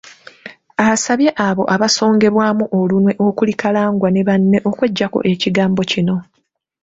Asabye abo abasongebwamu olunwe okuli Kalangwa ne banne okweggyako ekigambo kino.